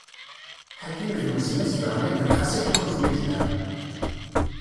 Ḥakim d Wezna zedɣen akken xas akken ur zwiǧen ara.